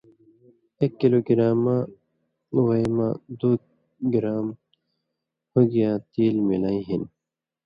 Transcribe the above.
ایک کلو گرام وے مہ دُو گرام ہُگیۡیاں تیل ملَیں ہِن